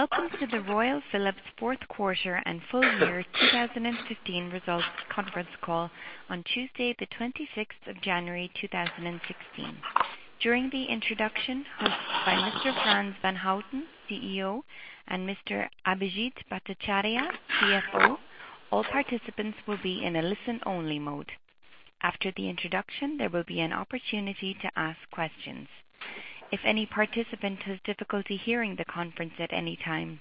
Welcome to the Royal Philips fourth quarter and full year 2015 results conference call on Tuesday, the 26th of January 2016. During the introduction hosted by Mr. Frans van Houten, CEO, and Mr. Abhijit Bhattacharya, CFO, all participants will be in a listen-only mode. After the introduction, there will be an opportunity to ask questions. If any participant has difficulty hearing the conference at any time,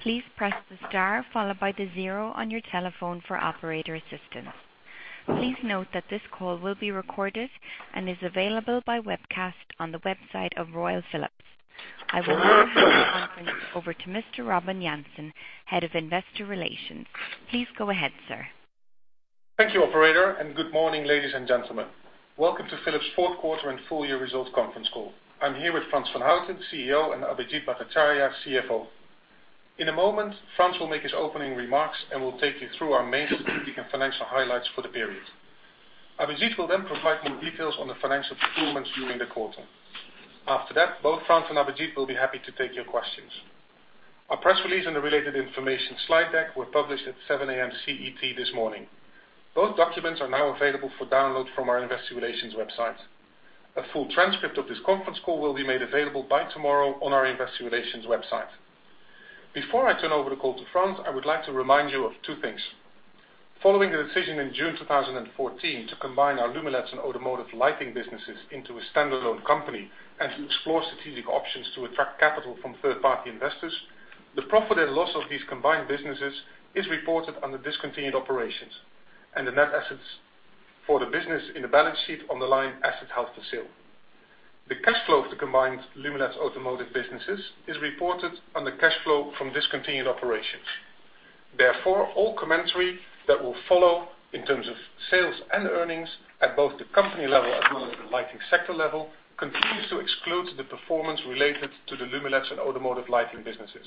please press the star followed by the zero on your telephone for operator assistance. Please note that this call will be recorded and is available by webcast on the website of Royal Philips. I will hand the conference over to Mr. Robin Jansen, Head of Investor Relations. Please go ahead, sir. Thank you, operator, and good morning, ladies and gentlemen. Welcome to Philips' fourth quarter and full year results conference call. I am here with Frans van Houten, CEO, and Abhijit Bhattacharya, CFO. In a moment, Frans will make his opening remarks and will take you through our main strategic and financial highlights for the period. Abhijit will then provide more details on the financial performance during the quarter. After that, both Frans and Abhijit will be happy to take your questions. Our press release and the related information slide deck were published at 7:00 A.M. CET this morning. Both documents are now available for download from our investor relations website. A full transcript of this conference call will be made available by tomorrow on our investor relations website. Before I turn over the call to Frans, I would like to remind you of two things. Following the decision in June 2014 to combine our Lumileds and Automotive Lighting businesses into a standalone company and to explore strategic options to attract capital from third-party investors, the profit and loss of these combined businesses is reported under discontinued operations, and the net assets for the business in the balance sheet on the line asset held for sale. The cash flow of the combined Lumileds Automotive businesses is reported under cash flow from discontinued operations. Therefore, all commentary that will follow in terms of sales and earnings at both the company level as well as the lighting sector level continues to exclude the performance related to the Lumileds and Automotive Lighting businesses.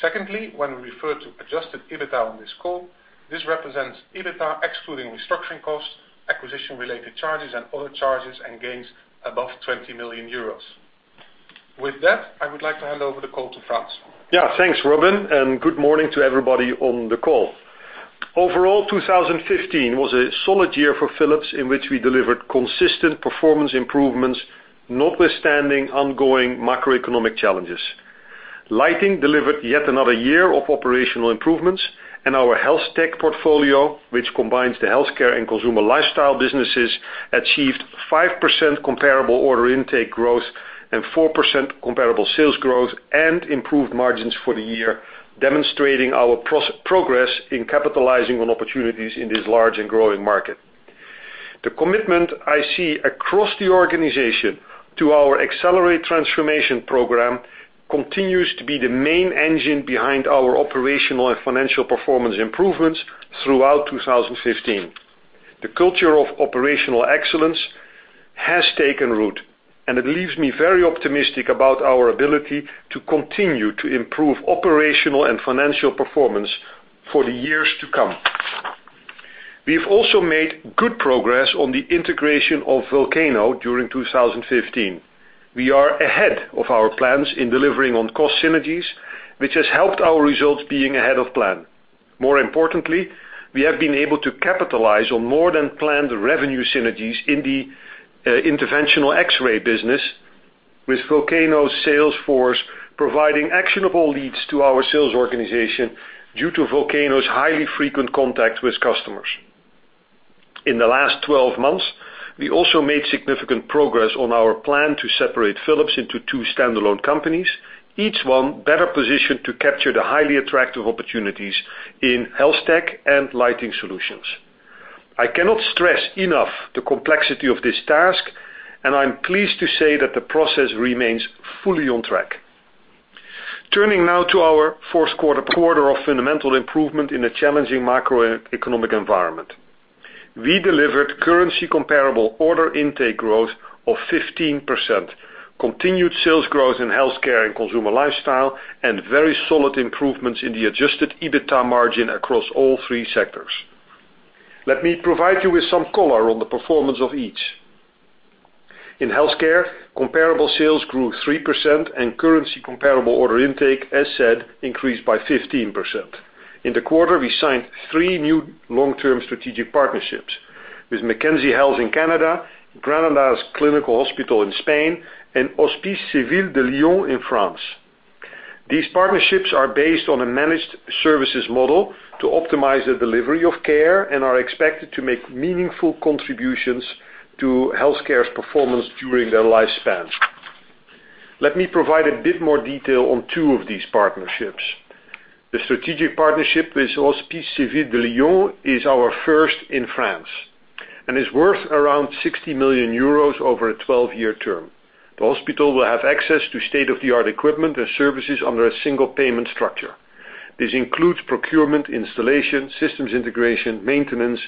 Secondly, when we refer to adjusted EBITDA on this call, this represents EBITDA excluding restructuring costs, acquisition-related charges, and other charges and gains above 20 million euros. With that, I would like to hand over the call to Frans. Thanks, Robin, good morning to everybody on the call. Overall, 2015 was a solid year for Philips in which we delivered consistent performance improvements notwithstanding ongoing macroeconomic challenges. Lighting delivered yet another year of operational improvements. Our Health Tech portfolio, which combines the Healthcare and Consumer Lifestyle businesses, achieved 5% comparable order intake growth and 4% comparable sales growth and improved margins for the year, demonstrating our progress in capitalizing on opportunities in this large and growing market. The commitment I see across the organization to our Accelerate! transformation program continues to be the main engine behind our operational and financial performance improvements throughout 2015. The culture of operational excellence has taken root, and it leaves me very optimistic about our ability to continue to improve operational and financial performance for the years to come. We've also made good progress on the integration of Volcano during 2015. We are ahead of our plans in delivering on cost synergies, which has helped our results being ahead of plan. More importantly, we have been able to capitalize on more than planned revenue synergies in the interventional X-ray business with Volcano's sales force providing actionable leads to our sales organization due to Volcano's highly frequent contact with customers. In the last 12 months, we also made significant progress on our plan to separate Philips into two standalone companies, each one better positioned to capture the highly attractive opportunities in Health Tech and Lighting Solutions. I cannot stress enough the complexity of this task, and I'm pleased to say that the process remains fully on track. Turning now to our fourth quarter of fundamental improvement in a challenging macroeconomic environment. We delivered currency comparable order intake growth of 15%, continued sales growth in Healthcare and Consumer Lifestyle, and very solid improvements in the adjusted EBITDA margin across all three sectors. Let me provide you with some color on the performance of each. In Healthcare, comparable sales grew 3% and currency comparable order intake, as said, increased by 15%. In the quarter, we signed three new long-term strategic partnerships with Mackenzie Health in Canada, Granada's Clinical Hospital in Spain, and Hospices Civils de Lyon in France. These partnerships are based on a managed services model to optimize the delivery of care and are expected to make meaningful contributions to Healthcare's performance during their lifespan. Let me provide a bit more detail on two of these partnerships. The strategic partnership with Hospices Civils de Lyon is our first in France, and is worth around 60 million euros over a 12-year term. The hospital will have access to state-of-the-art equipment and services under a single payment structure. This includes procurement, installation, systems integration, maintenance,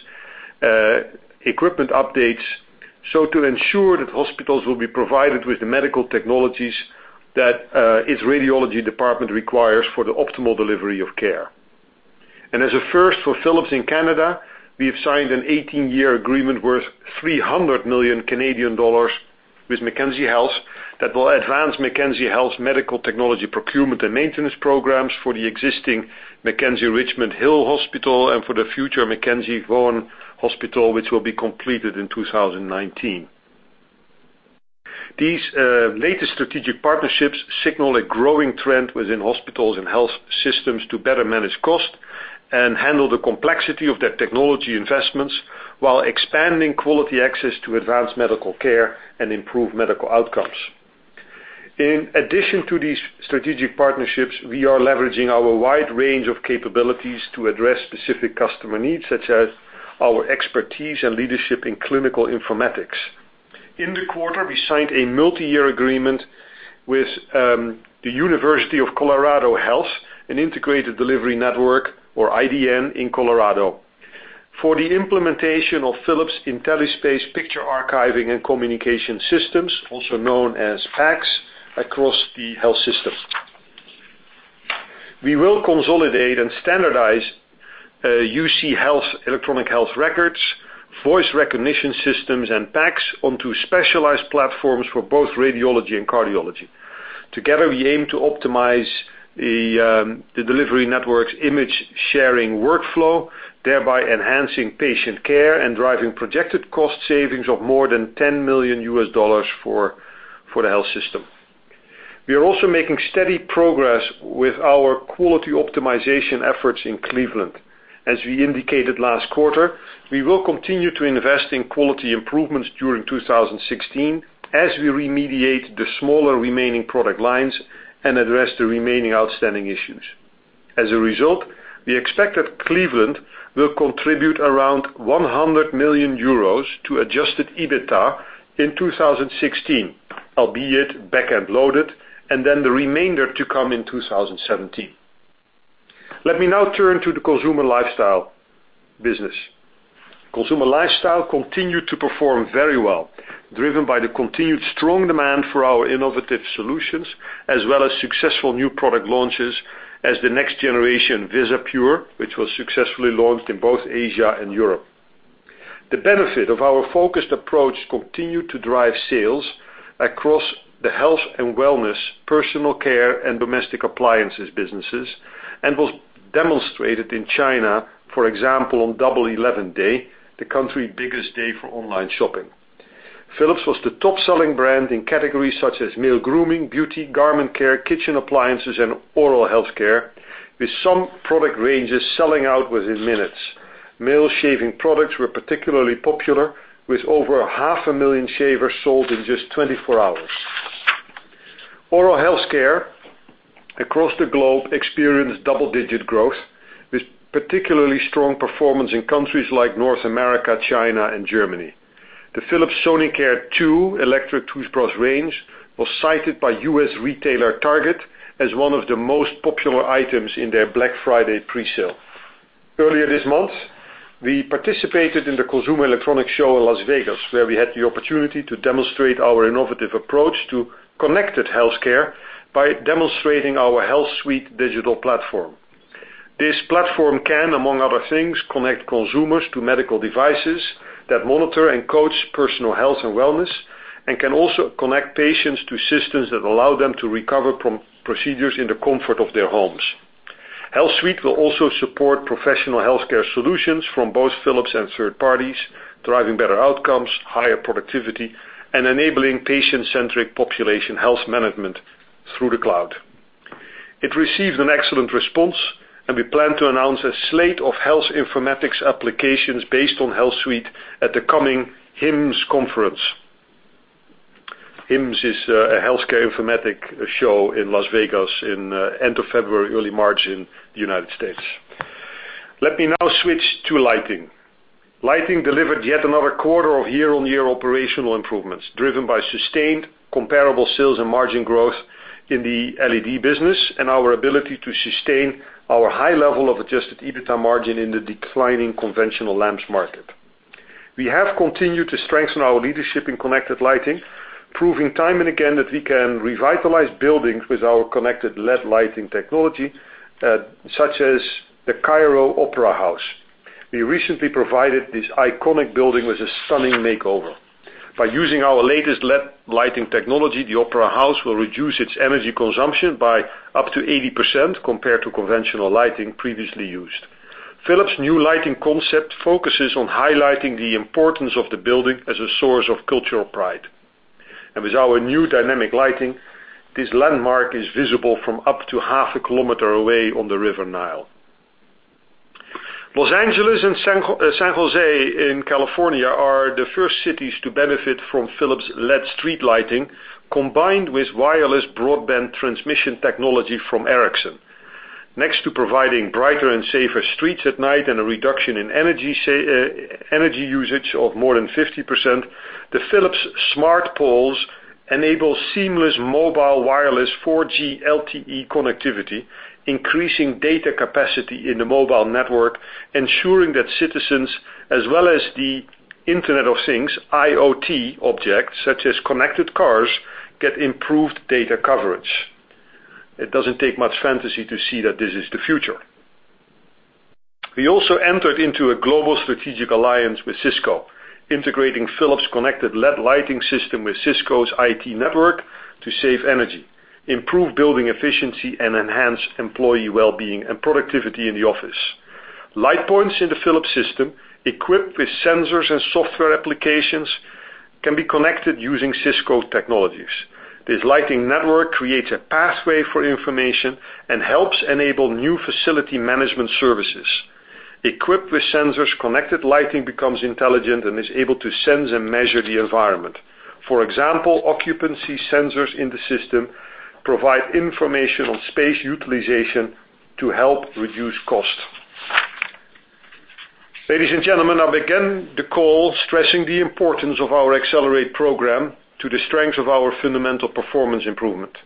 equipment updates, so to ensure that hospitals will be provided with the medical technologies that its radiology department requires for the optimal delivery of care. As a first for Philips in Canada, we have signed an 18-year agreement worth 300 million Canadian dollars with Mackenzie Health that will advance Mackenzie Health's medical technology procurement and maintenance programs for the existing Mackenzie Richmond Hill Hospital and for the future Mackenzie Vaughan Hospital, which will be completed in 2019. These latest strategic partnerships signal a growing trend within hospitals and health systems to better manage cost and handle the complexity of their technology investments while expanding quality access to advanced medical care and improve medical outcomes. In addition to these strategic partnerships, we are leveraging our wide range of capabilities to address specific customer needs, such as our expertise and leadership in clinical informatics. In the quarter, we signed a multi-year agreement with the University of Colorado Health, an integrated delivery network, or IDN, in Colorado for the implementation of Philips IntelliSpace picture archiving and communication systems, also known as PACS, across the health system. We will consolidate and standardize UC Health's electronic health records, voice recognition systems, and PACS onto specialized platforms for both radiology and cardiology. Together, we aim to optimize the delivery network's image-sharing workflow, thereby enhancing patient care and driving projected cost savings of more than $10 million for the health system. We are also making steady progress with our quality optimization efforts in Cleveland. As we indicated last quarter, we will continue to invest in quality improvements during 2016 as we remediate the smaller remaining product lines and address the remaining outstanding issues. As a result, we expect that Cleveland will contribute around 100 million euros to adjusted EBITA in 2016, albeit back-end loaded, and then the remainder to come in 2017. Let me now turn to the Consumer Lifestyle business. Consumer Lifestyle continued to perform very well, driven by the continued strong demand for our innovative solutions, as well as successful new product launches as the next generation VisaPure, which was successfully launched in both Asia and Europe. The benefit of our focused approach continued to drive sales across the health and wellness, personal care, and domestic appliances businesses and was demonstrated in China, for example, on Double Eleven Day, the country's biggest day for online shopping. Philips was the top-selling brand in categories such as male grooming, beauty, garment care, kitchen appliances, and oral health care, with some product ranges selling out within minutes. Male shaving products were particularly popular, with over half a million shavers sold in just 24 hours. Oral health care across the globe experienced double-digit growth, with particularly strong performance in countries like North America, China, and Germany. The Philips Sonicare 2 electric toothbrush range was cited by U.S. retailer Target as one of the most popular items in their Black Friday pre-sale. Earlier this month, we participated in the Consumer Electronics Show in Las Vegas, where we had the opportunity to demonstrate our innovative approach to connected healthcare by demonstrating our HealthSuite digital platform. This platform can, among other things, connect consumers to medical devices that monitor and coach personal health and wellness and can also connect patients to systems that allow them to recover from procedures in the comfort of their homes. HealthSuite will also support professional healthcare solutions from both Philips and third parties, driving better outcomes, higher productivity, and enabling patient-centric Population Health Management through the cloud. It received an excellent response, and we plan to announce a slate of health informatics applications based on HealthSuite at the coming HIMSS conference. HIMSS is a healthcare informatic show in Las Vegas in end of February, early March in the United States. Let me now switch to lighting. Lighting delivered yet another quarter of year-over-year operational improvements, driven by sustained comparable sales and margin growth in the LED business and our ability to sustain our high level of adjusted EBITA margin in the declining conventional lamps market. We have continued to strengthen our leadership in connected lighting, proving time and again that we can revitalize buildings with our connected LED lighting technology, such as the Cairo Opera House. We recently provided this iconic building with a stunning makeover. By using our latest LED lighting technology, the Opera House will reduce its energy consumption by up to 80% compared to conventional lighting previously used. Philips new lighting concept focuses on highlighting the importance of the building as a source of cultural pride. With our new dynamic lighting, this landmark is visible from up to half a kilometer away on the River Nile. Los Angeles and San Jose in California are the first cities to benefit from Philips LED street lighting, combined with wireless broadband transmission technology from Ericsson. Next to providing brighter and safer streets at night and a reduction in energy usage of more than 50%, the Philips smart poles enable seamless mobile wireless 4G LTE connectivity, increasing data capacity in the mobile network, ensuring that citizens as well as the Internet of Things, IoT, objects, such as connected cars get improved data coverage. It doesn't take much fantasy to see that this is the future. We also entered into a global strategic alliance with Cisco, integrating Philips connected LED lighting system with Cisco's IT network to save energy, improve building efficiency, and enhance employee well-being and productivity in the office. Light points in the Philips system, equipped with sensors and software applications, can be connected using Cisco technologies. This lighting network creates a pathway for information and helps enable new facility management services. Equipped with sensors, connected lighting becomes intelligent and is able to sense and measure the environment. For example, occupancy sensors in the system provide information on space utilization to help reduce cost. Ladies and gentlemen, I began the call stressing the importance of our Accelerate program to the strength of our fundamental performance improvement.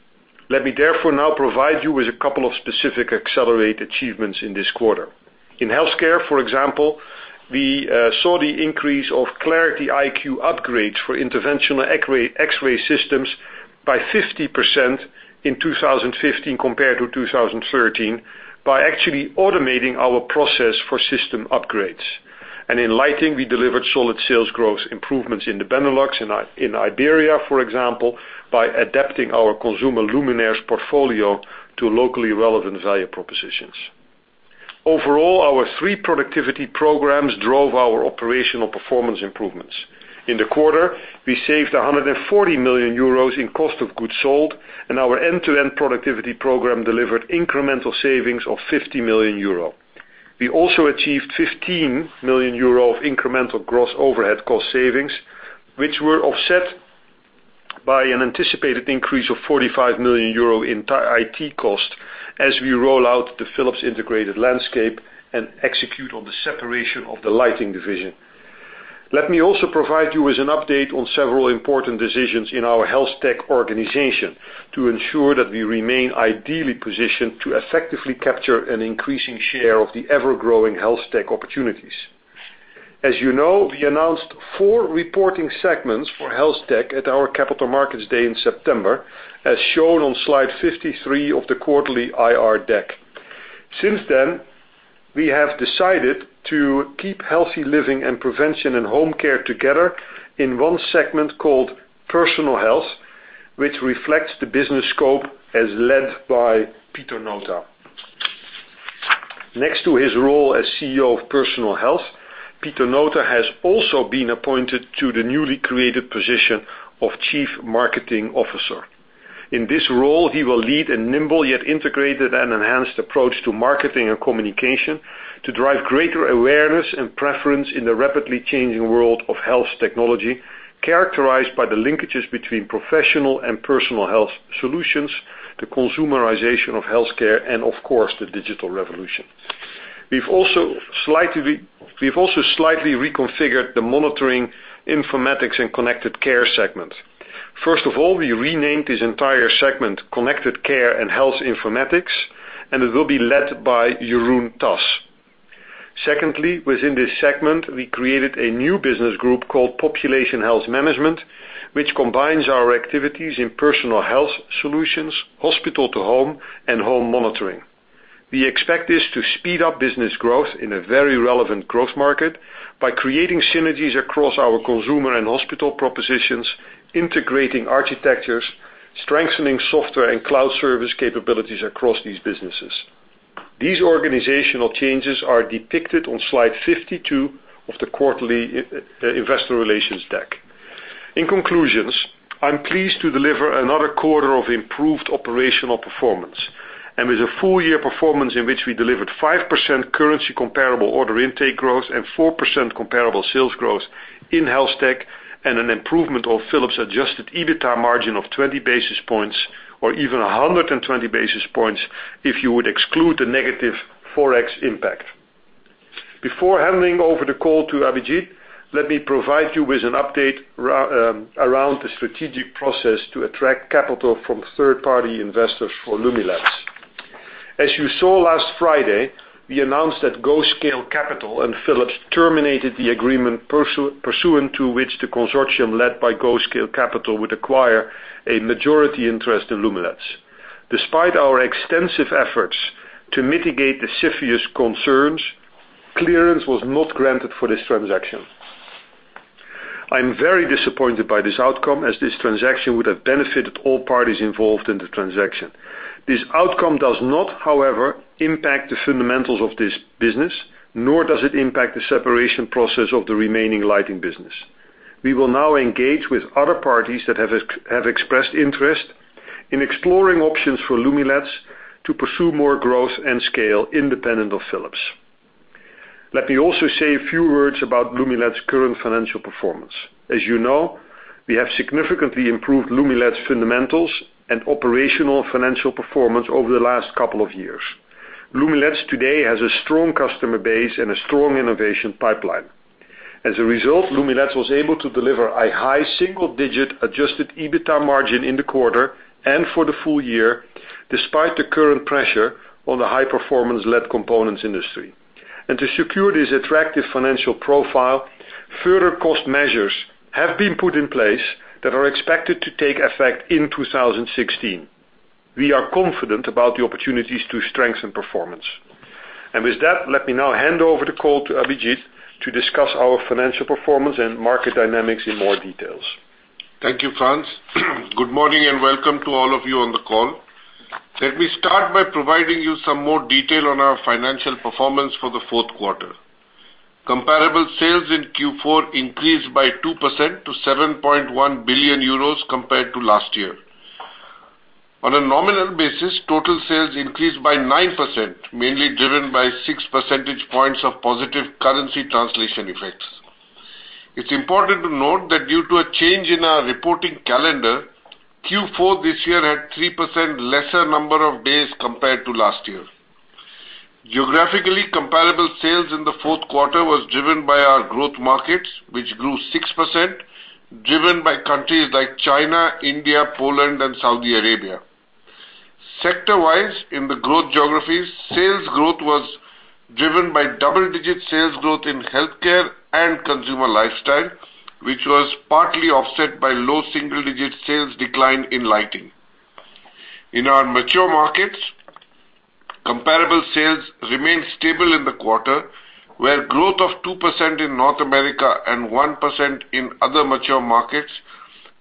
Let me therefore now provide you with a couple of specific Accelerate achievements in this quarter. In healthcare, for example, we saw the increase of ClarityIQ upgrades for interventional X-ray systems by 50% in 2015 compared to 2013, by actually automating our process for system upgrades. In lighting, we delivered solid sales growth improvements in the Benelux and in Iberia, for example, by adapting our consumer luminaires portfolio to locally relevant value propositions. Overall, our three productivity programs drove our operational performance improvements. In the quarter, we saved 140 million euros in cost of goods sold, and our end-to-end productivity program delivered incremental savings of 50 million euro. We also achieved 15 million euro of incremental gross overhead cost savings, which were offset by an anticipated increase of 45 million euro in IT cost as we roll out the Philips Integrated Landscape and execute on the separation of the lighting division. Let me also provide you with an update on several important decisions in our Health Tech organization to ensure that we remain ideally positioned to effectively capture an increasing share of the ever-growing Health Tech opportunities. As you know, we announced four reporting segments for Health Tech at our Capital Markets Day in September, as shown on slide 53 of the quarterly IR deck. Since then, we have decided to keep healthy living and prevention and home care together in one segment called Personal Health, which reflects the business scope as led by Pieter Nota. Next to his role as CEO of Personal Health, Pieter Nota has also been appointed to the newly created position of Chief Marketing Officer. In this role, he will lead a nimble, yet integrated and enhanced approach to marketing and communication to drive greater awareness and preference in the rapidly changing world of health technology, characterized by the linkages between professional and personal health solutions, the consumerization of healthcare, and of course, the digital revolution. We've also slightly reconfigured the monitoring informatics and connected care segment. First of all, we renamed this entire segment Connected Care and Health Informatics. It will be led by Jeroen Tas. Secondly, within this segment, we created a new business group called Population Health Management, which combines our activities in personal health solutions, hospital-to-home, and home monitoring. We expect this to speed up business growth in a very relevant growth market by creating synergies across our consumer and hospital propositions, integrating architectures, strengthening software and cloud service capabilities across these businesses. These organizational changes are depicted on slide 52 of the quarterly investor relations deck. In conclusion, I'm pleased to deliver another quarter of improved operational performance with a full-year performance in which we delivered 5% currency comparable order intake growth and 4% comparable sales growth in Health Tech and an improvement of Philips adjusted EBITDA margin of 20 basis points, or even 120 basis points if you would exclude the negative ForEx impact. Before handing over the call to Abhijit, let me provide you with an update around the strategic process to attract capital from third-party investors for Lumileds. As you saw last Friday, we announced that GO Scale Capital and Philips terminated the agreement pursuant to which the consortium led by GO Scale Capital would acquire a majority interest in Lumileds. Despite our extensive efforts to mitigate the CFIUS concerns, clearance was not granted for this transaction. I am very disappointed by this outcome, as this transaction would have benefited all parties involved in the transaction. This outcome does not, however, impact the fundamentals of this business, nor does it impact the separation process of the remaining lighting business. We will now engage with other parties that have expressed interest in exploring options for Lumileds to pursue more growth and scale independent of Philips. Let me also say a few words about Lumileds' current financial performance. As you know, we have significantly improved Lumileds fundamentals and operational financial performance over the last couple of years. Lumileds today has a strong customer base and a strong innovation pipeline. As a result, Lumileds was able to deliver a high single-digit adjusted EBITDA margin in the quarter and for the full year, despite the current pressure on the high-performance LED components industry. To secure this attractive financial profile, further cost measures have been put in place that are expected to take effect in 2016. We are confident about the opportunities to strengthen performance. With that, let me now hand over the call to Abhijit to discuss our financial performance and market dynamics in more detail. Thank you, Frans. Good morning and welcome to all of you on the call. Let me start by providing you some more detail on our financial performance for the fourth quarter. Comparable sales in Q4 increased by 2% to 7.1 billion euros compared to last year. On a nominal basis, total sales increased by 9%, mainly driven by six percentage points of positive currency translation effects. It is important to note that due to a change in our reporting calendar, Q4 this year had 3% lesser number of days compared to last year. Geographically, comparable sales in the fourth quarter was driven by our growth markets, which grew 6%, driven by countries like China, India, Poland, and Saudi Arabia. Sector-wise, in the growth geographies, sales growth was driven by double-digit sales growth in healthcare and Consumer Lifestyle, which was partly offset by low single-digit sales decline in lighting. In our mature markets, comparable sales remained stable in the quarter, where growth of 2% in North America and 1% in other mature markets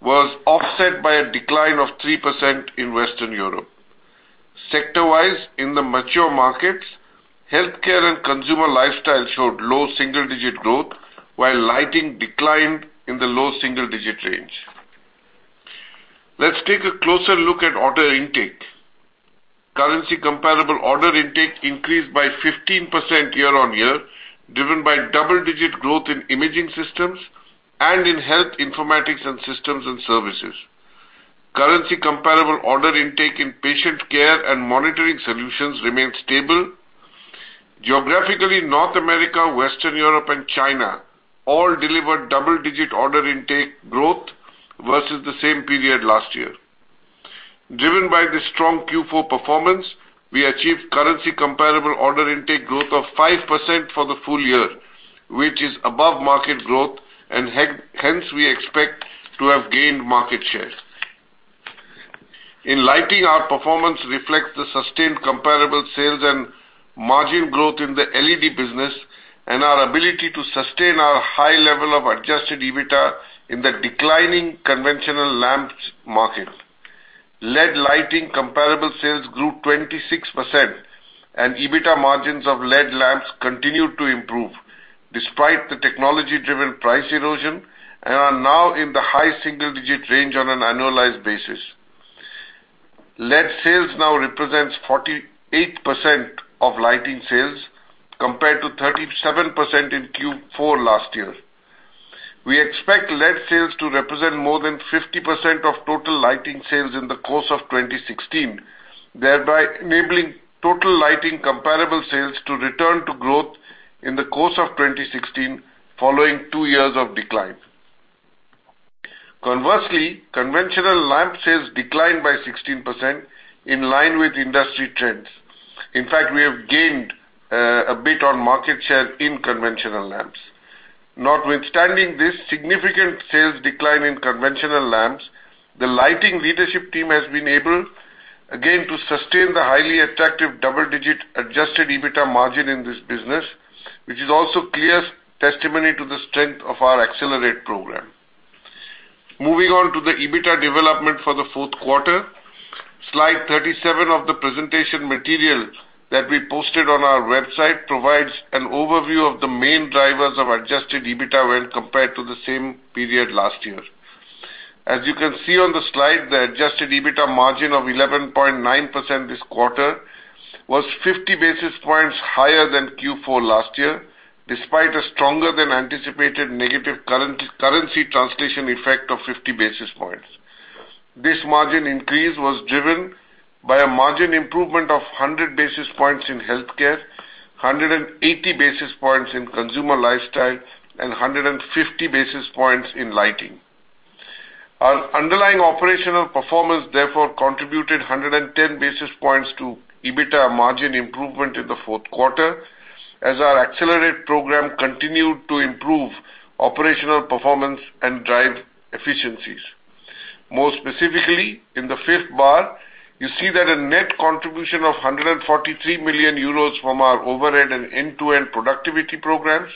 was offset by a decline of 3% in Western Europe. Sector-wise, in the mature markets, healthcare and Consumer Lifestyle showed low single-digit growth, while lighting declined in the low single-digit range. Let us take a closer look at order intake. Currency comparable order intake increased by 15% year-on-year, driven by double-digit growth in imaging systems and in health informatics and systems and services. Currency comparable order intake in patient care and monitoring solutions remained stable. Geographically, North America, Western Europe, and China all delivered double-digit order intake growth versus the same period last year. Driven by this strong Q4 performance, we achieved currency comparable order intake growth of 5% for the full year, which is above market growth, and hence we expect to have gained market share. In lighting, our performance reflects the sustained comparable sales and margin growth in the LED business and our ability to sustain our high level of adjusted EBITA in the declining conventional lamps market. LED lighting comparable sales grew 26%, and EBITA margins of LED lamps continued to improve despite the technology-driven price erosion and are now in the high single-digit range on an annualized basis. LED sales now represents 48% of lighting sales compared to 37% in Q4 last year. We expect LED sales to represent more than 50% of total lighting sales in the course of 2016, thereby enabling total lighting comparable sales to return to growth in the course of 2016 following two years of decline. Conversely, conventional lamp sales declined by 16%, in line with industry trends. In fact, we have gained a bit on market share in conventional lamps. Notwithstanding this significant sales decline in conventional lamps, the lighting leadership team has been able again to sustain the highly attractive double-digit adjusted EBITA margin in this business, which is also clear testimony to the strength of our Accelerate! program. Moving on to the EBITA development for the fourth quarter. Slide 37 of the presentation material that we posted on our website provides an overview of the main drivers of adjusted EBITA when compared to the same period last year. As you can see on the slide, the adjusted EBITA margin of 11.9% this quarter was 50 basis points higher than Q4 last year, despite a stronger than anticipated negative currency translation effect of 50 basis points. This margin increase was driven by a margin improvement of 100 basis points in healthcare, 180 basis points in Consumer Lifestyle, and 150 basis points in lighting. Our underlying operational performance therefore contributed 110 basis points to EBITA margin improvement in the fourth quarter, as our Accelerate! program continued to improve operational performance and drive efficiencies. More specifically, in the fifth bar, you see that a net contribution of €143 million from our overhead and end-to-end productivity programs,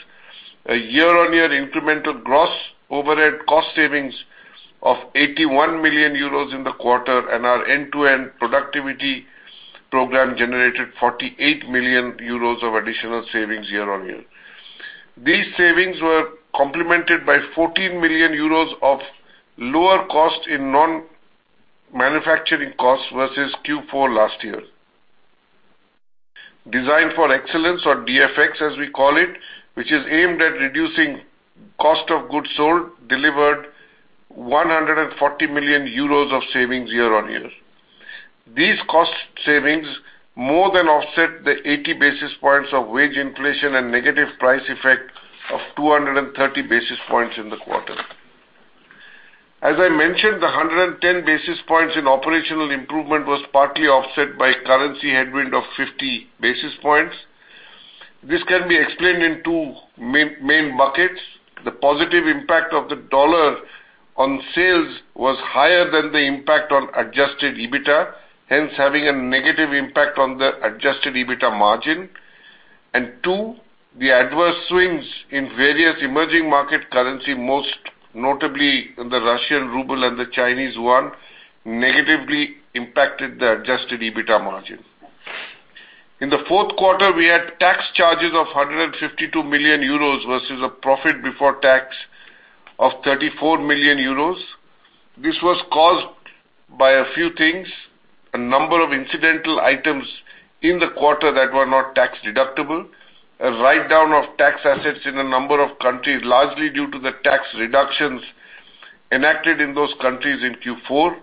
a year-on-year incremental gross overhead cost savings of €81 million in the quarter, and our end-to-end productivity program generated €48 million of additional savings year-on-year. These savings were complemented by €14 million of lower cost in non-manufacturing costs versus Q4 last year. Design for Excellence or DFX, as we call it, which is aimed at reducing cost of goods sold, delivered €140 million of savings year-on-year. These cost savings more than offset the 80 basis points of wage inflation and negative price effect of 230 basis points in the quarter. As I mentioned, the 110 basis points in operational improvement was partly offset by currency headwind of 50 basis points. This can be explained in two main buckets. The positive impact of the dollar on sales was higher than the impact on adjusted EBITA, hence having a negative impact on the adjusted EBITA margin. Two, the adverse swings in various emerging market currency, most notably in the Russian ruble and the Chinese yuan, negatively impacted the adjusted EBITA margin. In the fourth quarter, we had tax charges of €152 million versus a profit before tax of €34 million. This was caused by a few things, a number of incidental items in the quarter that were not tax deductible, a write-down of tax assets in a number of countries, largely due to the tax reductions enacted in those countries in Q4.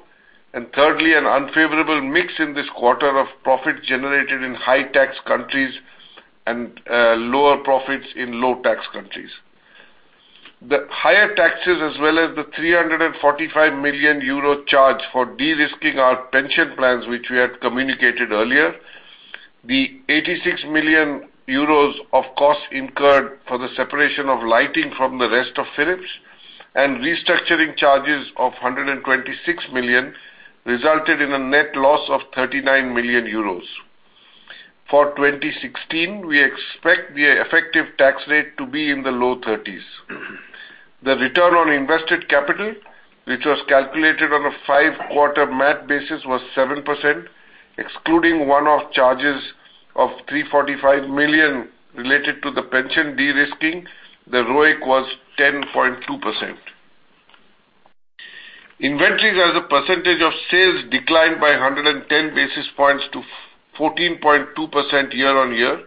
Thirdly, an unfavorable mix in this quarter of profit generated in high-tax countries and lower profits in low-tax countries. The higher taxes as well as the €345 million charge for de-risking our pension plans, which we had communicated earlier. The €86 million of cost incurred for the separation of lighting from the rest of Philips, and restructuring charges of 126 million, resulted in a net loss of €39 million. For 2016, we expect the effective tax rate to be in the low 30s. The return on invested capital, which was calculated on a five-quarter MAT basis, was 7%, excluding one-off charges of 345 million related to the pension de-risking, the ROIC was 10.2%. Inventories as a percentage of sales declined by 110 basis points to 14.2% year-on-year.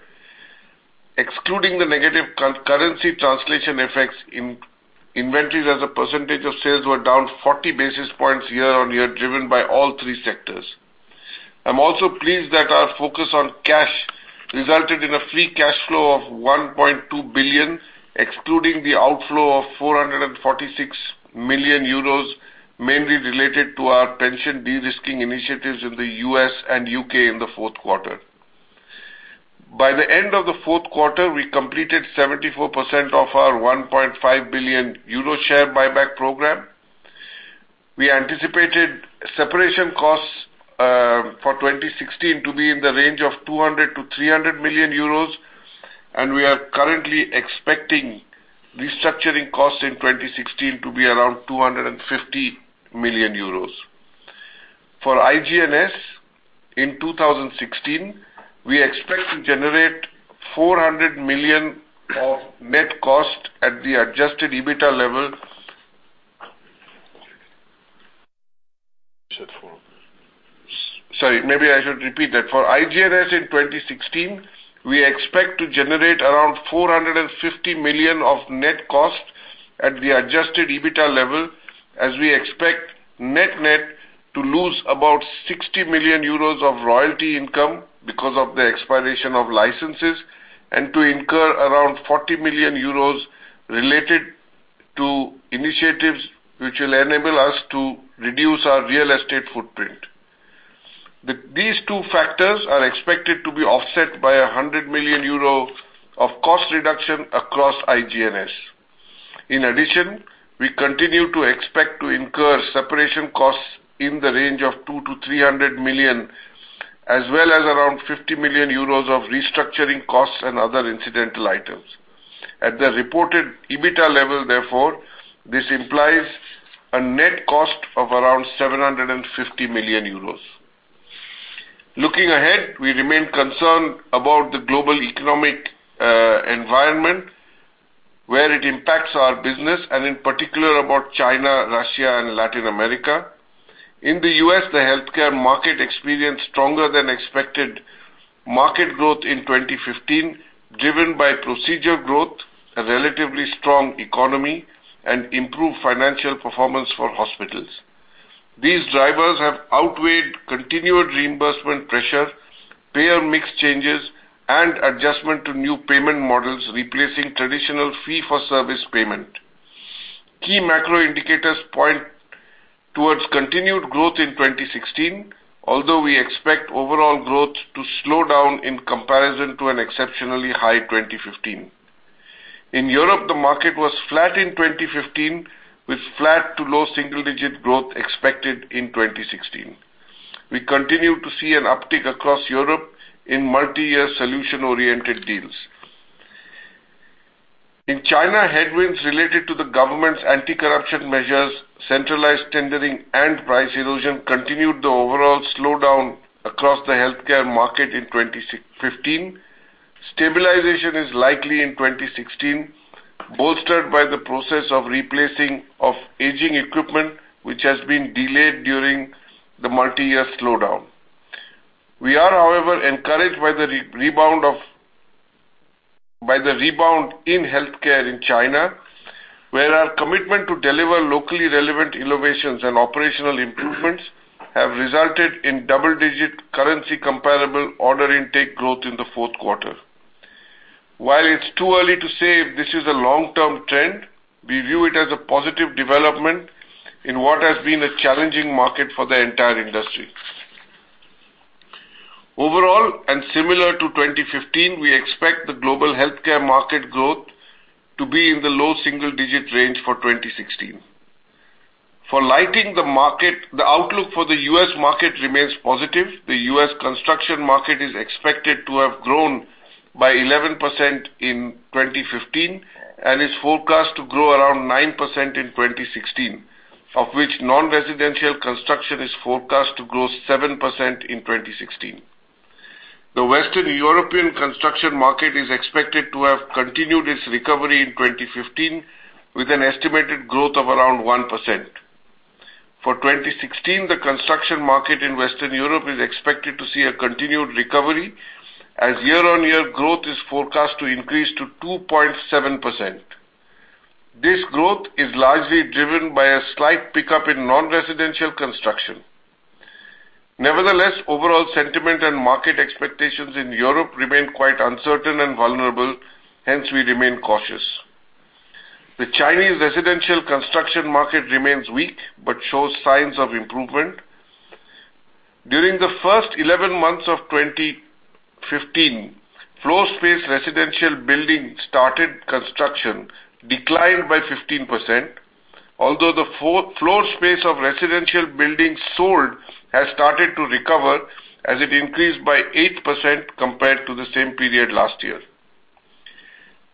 Excluding the negative currency translation effects, inventories as a percentage of sales were down 40 basis points year-on-year, driven by all three sectors. I'm also pleased that our focus on cash resulted in a free cash flow of 1.2 billion, excluding the outflow of €446 million, mainly related to our pension de-risking initiatives in the U.S. and U.K. in the fourth quarter. By the end of the fourth quarter, we completed 74% of our €1.5 billion share buyback program. We anticipated separation costs for 2016 to be in the range of 200 million to €300 million, and we are currently expecting restructuring costs in 2016 to be around €250 million. For IG&S in 2016, we expect to generate 400 million of net cost at the adjusted EBITA level. Sorry, maybe I should repeat that. For IG&S in 2016, we expect to generate around 450 million of net cost at the adjusted EBITA level, as we expect net-net to lose about 60 million euros of royalty income because of the expiration of licenses, and to incur around 40 million euros related to initiatives which will enable us to reduce our real estate footprint. These two factors are expected to be offset by 100 million euro of cost reduction across IG&S. In addition, we continue to expect to incur separation costs in the range of 200 million-300 million, as well as around 50 million euros of restructuring costs and other incidental items. At the reported EBITA level, therefore, this implies a net cost of around 750 million euros. Looking ahead, we remain concerned about the global economic environment, where it impacts our business, and in particular about China, Russia, and Latin America. In the U.S., the healthcare market experienced stronger than expected market growth in 2015, driven by procedure growth, a relatively strong economy, and improved financial performance for hospitals. These drivers have outweighed continued reimbursement pressure, payer mix changes, and adjustment to new payment models replacing traditional fee-for-service payment. Key macro indicators point towards continued growth in 2016, although we expect overall growth to slow down in comparison to an exceptionally high 2015. In Europe, the market was flat in 2015, with flat to low single-digit growth expected in 2016. We continue to see an uptick across Europe in multi-year solution-oriented deals. In China, headwinds related to the government's anti-corruption measures, centralized tendering, and price erosion continued the overall slowdown across the healthcare market in 2015. Stabilization is likely in 2016, bolstered by the process of replacing of aging equipment, which has been delayed during the multi-year slowdown. We are, however, encouraged by the rebound in healthcare in China, where our commitment to deliver locally relevant innovations and operational improvements have resulted in double-digit currency comparable order intake growth in the fourth quarter. While it's too early to say if this is a long-term trend, we view it as a positive development in what has been a challenging market for the entire industry. Overall, and similar to 2015, we expect the global healthcare market growth to be in the low single-digit range for 2016. For lighting, the outlook for the U.S. market remains positive. The U.S. construction market is expected to have grown by 11% in 2015, and is forecast to grow around 9% in 2016. Of which non-residential construction is forecast to grow 7% in 2016. The Western European construction market is expected to have continued its recovery in 2015, with an estimated growth of around 1%. For 2016, the construction market in Western Europe is expected to see a continued recovery as year-on-year growth is forecast to increase to 2.7%. This growth is largely driven by a slight pickup in non-residential construction. Nevertheless, overall sentiment and market expectations in Europe remain quite uncertain and vulnerable, hence we remain cautious. The Chinese residential construction market remains weak but shows signs of improvement. During the first 11 months of 2015, floor space residential building started construction declined by 15%. Although the floor space of residential buildings sold has started to recover as it increased by 8% compared to the same period last year.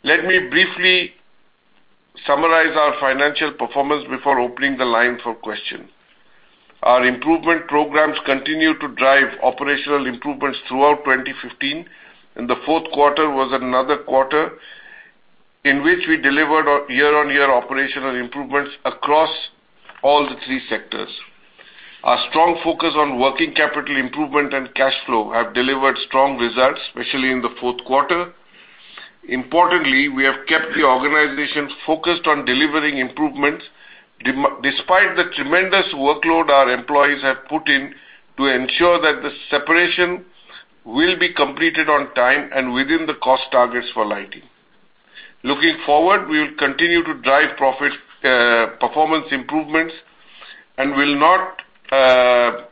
Let me briefly summarize our financial performance before opening the line for questions. Our improvement programs continued to drive operational improvements throughout 2015, and the fourth quarter was another quarter in which we delivered year-on-year operational improvements across all the three sectors. Our strong focus on working capital improvement and cash flow have delivered strong results, especially in the fourth quarter. Importantly, we have kept the organization focused on delivering improvements despite the tremendous workload our employees have put in to ensure that the separation will be completed on time and within the cost targets for lighting. Looking forward, we will continue to drive performance improvements and will not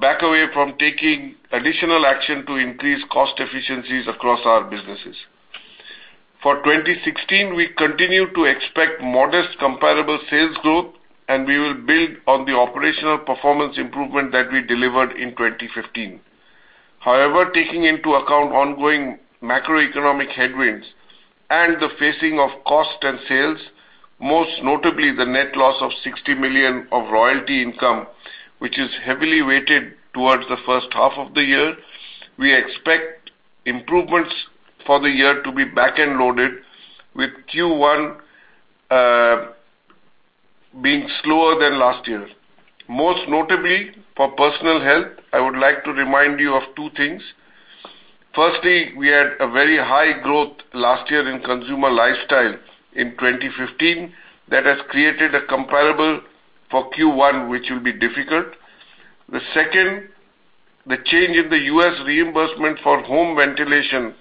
back away from taking additional action to increase cost efficiencies across our businesses. For 2016, we continue to expect modest comparable sales growth, and we will build on the operational performance improvement that we delivered in 2015. Taking into account ongoing macroeconomic headwinds and the phasing of cost and sales, most notably the net loss of 60 million of royalty income, which is heavily weighted towards the first half of the year, we expect improvements for the year to be back-end loaded with Q1 being slower than last year. Most notably for Personal Health, I would like to remind you of two things. Firstly, we had a very high growth last year in Consumer Lifestyle in 2015. That has created a comparable for Q1, which will be difficult. The second, the change in the U.S. reimbursement for home ventilation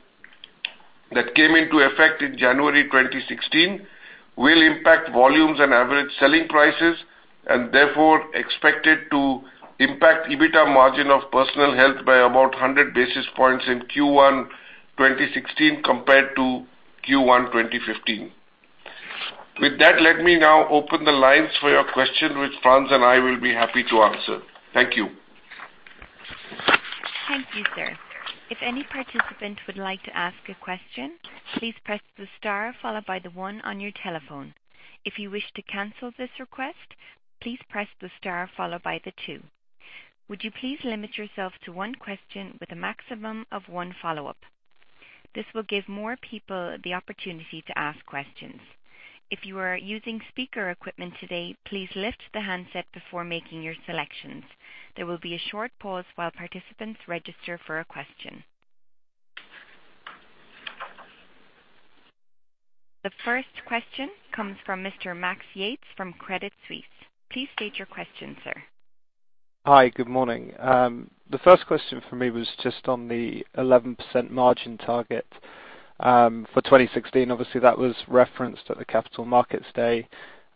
that came into effect in January 2016 will impact volumes and average selling prices, and therefore expected to impact EBITDA margin of Personal Health by about 100 basis points in Q1 2016 compared to Q1 2015. With that, let me now open the lines for your questions, which Frans and I will be happy to answer. Thank you. Thank you, sir. If any participant would like to ask a question, please press the star followed by the one on your telephone. If you wish to cancel this request, please press the star followed by the two. Would you please limit yourself to one question with a maximum of one follow-up? This will give more people the opportunity to ask questions. If you are using speaker equipment today, please lift the handset before making your selections. There will be a short pause while participants register for a question. The first question comes from Mr. Max Yates from Credit Suisse. Please state your question, sir. Hi, good morning. The first question from me was just on the 11% margin target for 2016. Obviously, that was referenced at the Capital Markets Day,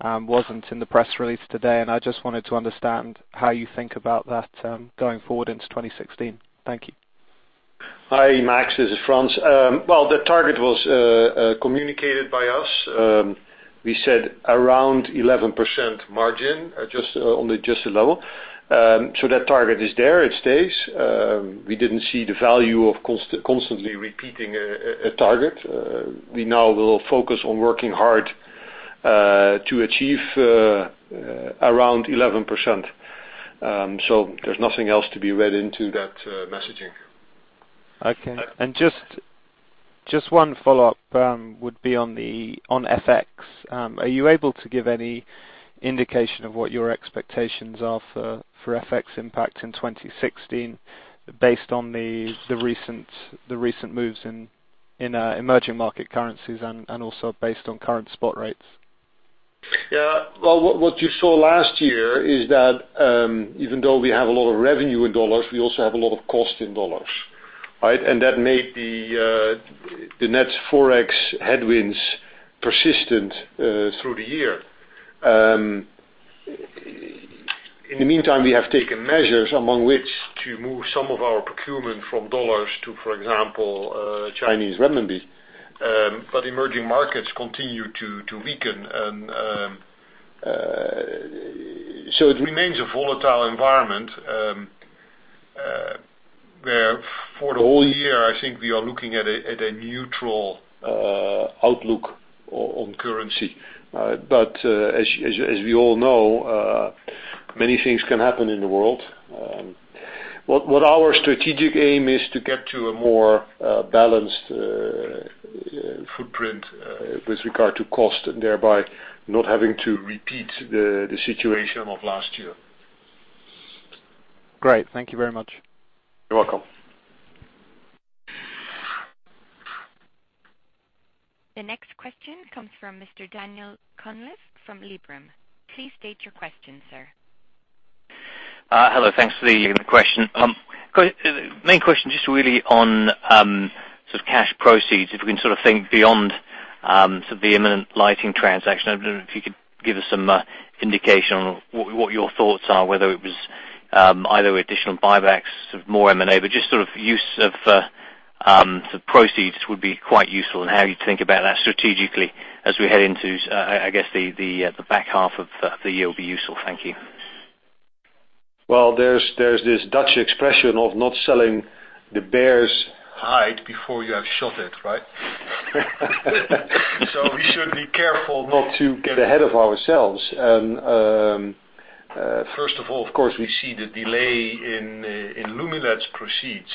wasn't in the press release today. I just wanted to understand how you think about that going forward into 2016. Thank you. Hi, Max. This is Frans. Well, the target was communicated by us. We said around 11% margin, just a level. That target is there. It stays. We didn't see the value of constantly repeating a target. We now will focus on working hard to achieve around 11%. There's nothing else to be read into that messaging. Okay. Just one follow-up would be on FX. Are you able to give any indication of what your expectations are for FX impact in 2016 based on the recent moves in emerging market currencies and also based on current spot rates? Yeah. Well, what you saw last year is that even though we have a lot of revenue in U.S. dollars, we also have a lot of cost in U.S. dollars, right? That made the net Forex headwinds persistent through the year. In the meantime, we have taken measures, among which to move some of our procurement from U.S. dollars to, for example, Chinese renminbi. Emerging markets continue to weaken. It remains a volatile environment, where for the whole year, I think we are looking at a neutral outlook on currency. As we all know, many things can happen in the world. What our strategic aim is to get to a more balanced footprint with regard to cost, thereby not having to repeat the situation of last year. Great. Thank you very much. You're welcome. The next question comes from Mr. Daniel Cunliffe from Liberum. Please state your question, sir. Hello. Thanks for the question. Main question, just really on sort of cash proceeds, if we can sort of think beyond the imminent lighting transaction. I don't know if you could give us some indication on what your thoughts are, whether it was either additional buybacks of more M&A, but just sort of use of sort of proceeds would be quite useful, and how you think about that strategically as we head into, I guess, the back half of the year will be useful. Thank you. Well, there's this Dutch expression of not selling the bear's hide before you have shot it, right? We should be careful not to get ahead of ourselves. First of all, of course, we see the delay in Lumileds proceeds,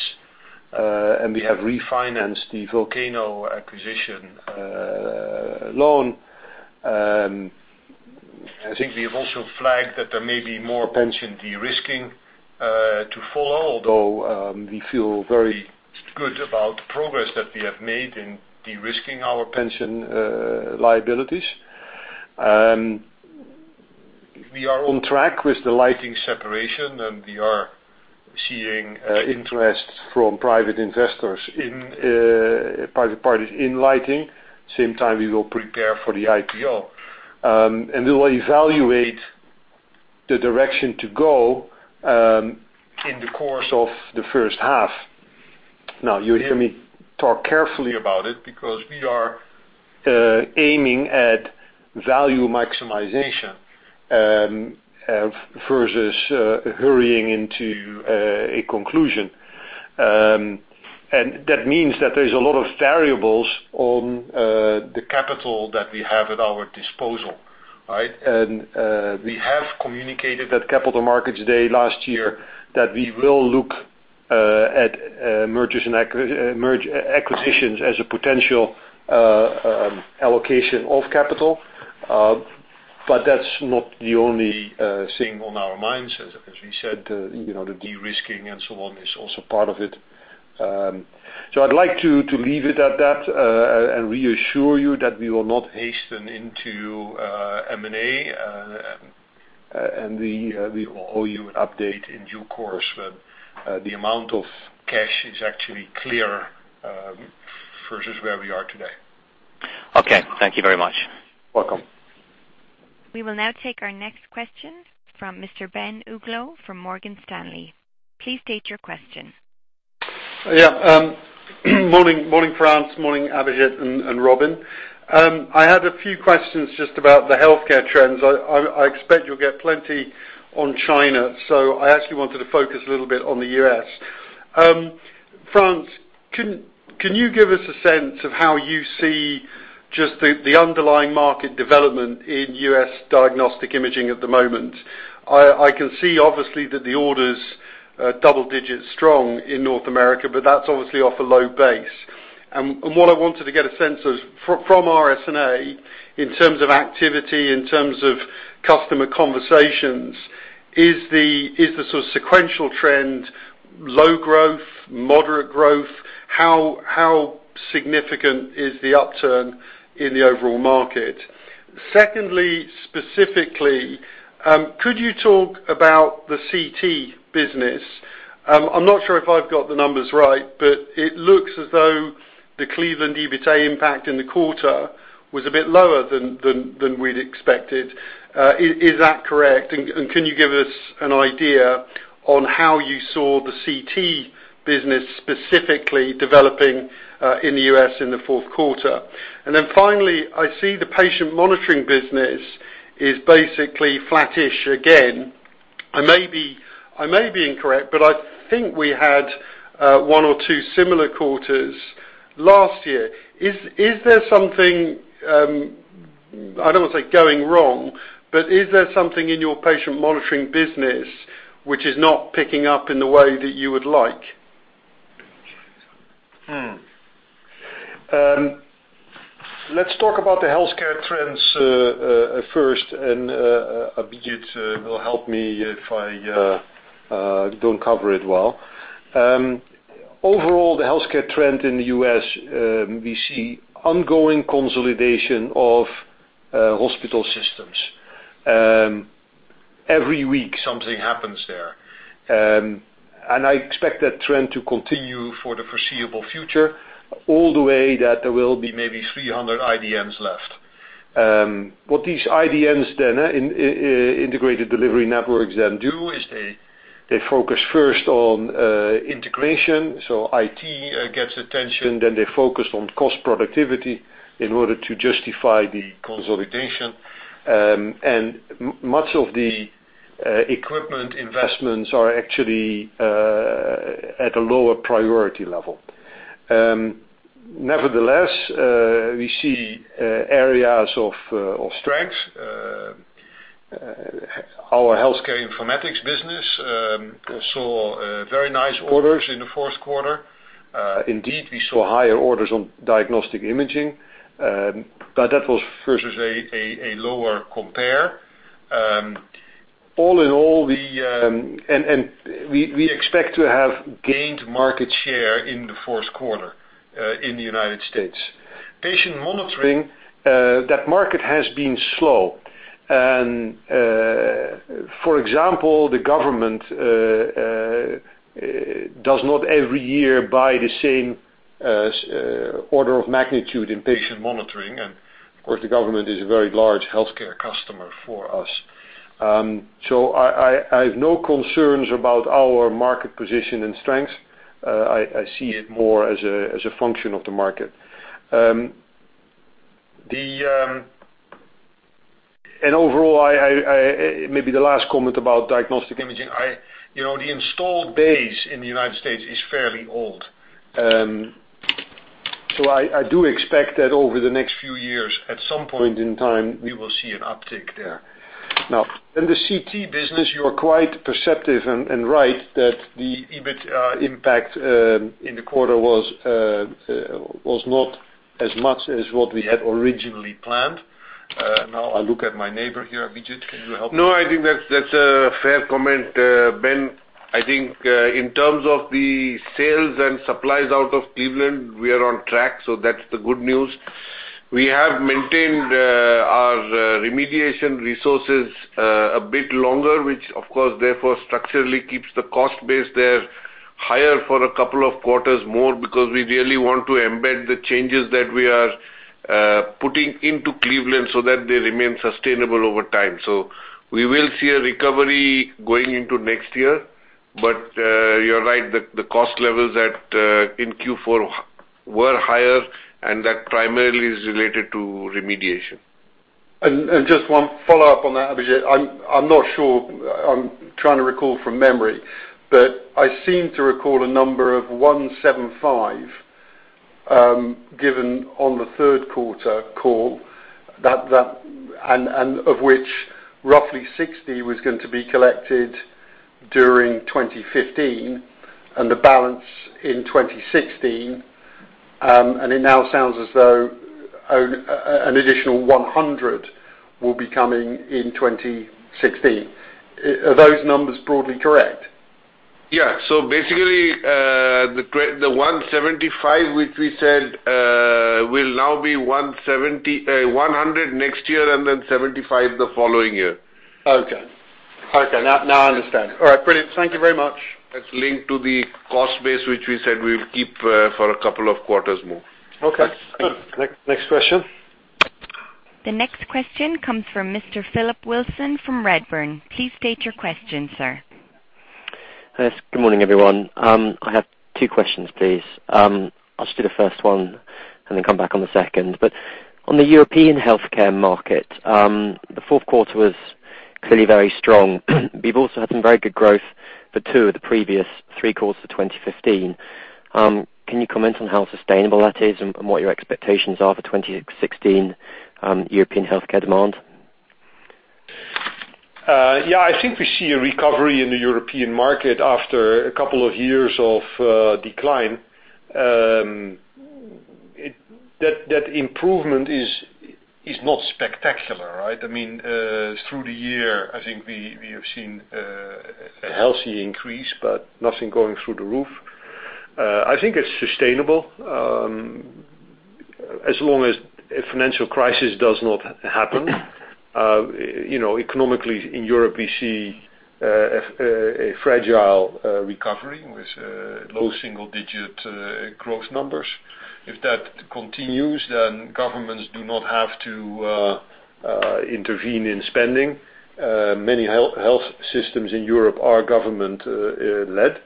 and we have refinanced the Volcano acquisition loan. I think we have also flagged that there may be more pension de-risking to follow, although we feel very good about the progress that we have made in de-risking our pension liabilities. We are on track with the lighting separation, and we are seeing interest from private parties in lighting. Same time, we will prepare for the IPO. We will evaluate the direction to go in the course of the first half. Now, you hear me talk carefully about it because we are aiming at value maximization, versus hurrying into a conclusion. That means that there's a lot of variables on the capital that we have at our disposal, right? We have communicated at Capital Markets Day last year that we will look at mergers and acquisitions as a potential allocation of capital. That's not the only thing on our minds. As we said, the de-risking and so on is also part of it. I'd like to leave it at that, and reassure you that we will not hasten into M&A, and we will owe you an update in due course when the amount of cash is actually clear, versus where we are today. Okay. Thank you very much. Welcome. We will now take our next question from Mr. Ben Uglow from Morgan Stanley. Please state your question. Morning, Mr. Frans van Houten. Morning, Mr. Abhijit Bhattacharya and Mr. Robin Jansen. I had a few questions just about the healthcare trends. I expect you will get plenty on China. I actually wanted to focus a little bit on the U.S. Mr. Frans van Houten, can you give us a sense of how you see just the underlying market development in U.S. diagnostic imaging at the moment? I can see obviously that the orders double digits strong in North America, but that is obviously off a low base. What I wanted to get a sense of from your order book in terms of activity, in terms of customer conversations, is the sort of sequential trend low growth, moderate growth? How significant is the upturn in the overall market? Secondly, specifically, could you talk about the CT business? I am not sure if I have got the numbers right, but it looks as though the Cleveland EBITA impact in the quarter was a bit lower than we had expected. Is that correct? Can you give us an idea on how you saw the CT business specifically developing in the U.S. in the fourth quarter? Finally, I see the patient monitoring business is basically flattish again. I may be incorrect, but I think we had one or two similar quarters last year. Is there something, I do not want to say going wrong, but is there something in your patient monitoring business which is not picking up in the way that you would like? Let us talk about the healthcare trends, first, and Mr. Abhijit Bhattacharya will help me if I do not cover it well. Overall, the healthcare trend in the U.S., we see ongoing consolidation of hospital systems. Every week, something happens there. I expect that trend to continue for the foreseeable future, all the way that there will be maybe 300 IDNs left. What these IDNs, Integrated Delivery Networks, then do is they focus first on integration, so IT gets attention, then they focus on cost productivity in order to justify the consolidation. Much of the equipment investments are actually at a lower priority level. Nevertheless, we see areas of strength. Our healthcare informatics business saw very nice orders in the fourth quarter. Indeed, we saw higher orders on diagnostic imaging, but that was versus a lower compare. We expect to have gained market share in the fourth quarter, in the United States. Patient monitoring, that market has been slow. For example, the government does not every year buy the same order of magnitude in patient monitoring. Of course, the government is a very large healthcare customer for us. I have no concerns about our market position and strength. I see it more as a function of the market. Maybe the last comment about diagnostic imaging. The installed base in the United States is fairly old. I do expect that over the next few years, at some point in time, we will see an uptick there. In the CT business, you are quite perceptive and right that the EBITA impact in the quarter was not as much as what we had originally planned. I look at my neighbor here, Abhijit, can you help me? I think that's a fair comment, Ben. I think in terms of the sales and supplies out of Cleveland, we are on track, that's the good news. We have maintained our remediation resources a bit longer, which of course, therefore structurally keeps the cost base there higher for a couple of quarters more, because we really want to embed the changes that we are putting into Cleveland so that they remain sustainable over time. We will see a recovery going into next year. You're right, the cost levels in Q4 were higher, and that primarily is related to remediation. Just one follow-up on that, Abhijit. I'm not sure. I'm trying to recall from memory, but I seem to recall a number of 175 given on the third quarter call, of which roughly 60 was going to be collected during 2015 and the balance in 2016. It now sounds as though an additional 100 will be coming in 2016. Are those numbers broadly correct? Basically, the 175, which we said, will now be 100 next year and then 75 the following year. Okay. Now I understand. All right, brilliant. Thank you very much. That's linked to the cost base, which we said we'll keep for a couple of quarters more. Okay, good. Next question. The next question comes from Mr. Philip Wilson from Redburn. Please state your question, sir. Yes, good morning, everyone. I have two questions, please. I'll just do the first one and then come back on the second. On the European healthcare market, the fourth quarter was clearly very strong. You've also had some very good growth for two of the previous three quarters of 2015. Can you comment on how sustainable that is and what your expectations are for 2016 European healthcare demand? I think we see a recovery in the European market after a couple of years of decline. That improvement is not spectacular. Through the year, I think we have seen a healthy increase, but nothing going through the roof. I think it's sustainable. As long as a financial crisis does not happen. Economically, in Europe, we see a fragile recovery with low single-digit growth numbers. If that continues, then governments do not have to intervene in spending. Many health systems in Europe are government-led.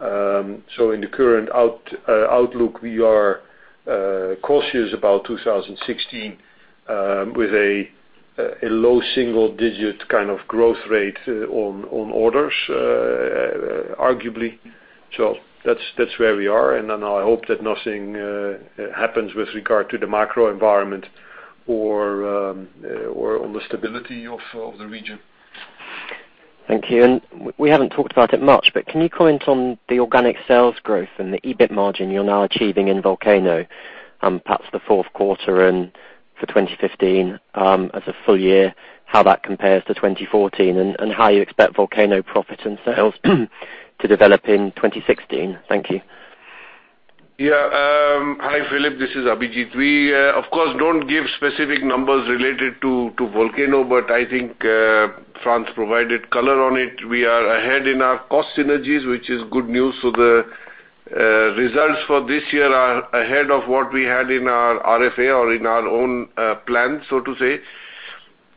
In the current outlook, we are cautious about 2016, with a low single-digit kind of growth rate on orders, arguably. That's where we are, and I hope that nothing happens with regard to the macro environment or on the stability of the region. Thank you. We haven't talked about it much, but can you comment on the organic sales growth and the EBIT margin you're now achieving in Volcano, perhaps the fourth quarter and for 2015 as a full year, how that compares to 2014 and how you expect Volcano profit and sales to develop in 2016. Thank you. Hi, Philip. This is Abhijit. We, of course, don't give specific numbers related to Volcano, but I think Frans provided color on it. We are ahead in our cost synergies, which is good news. The results for this year are ahead of what we had in our RFA or in our own plan, so to say.